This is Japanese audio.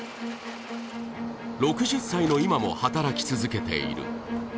６０歳の今も働き続けている。